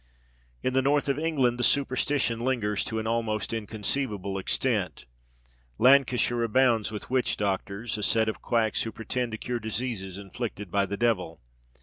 In the north of England, the superstition lingers to an almost inconceivable extent. Lancashire abounds with witch doctors, a set of quacks who pretend to cure diseases inflicted by the devil.